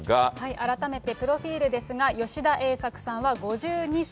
改めてプロフィールですが、吉田栄作さんは５２歳。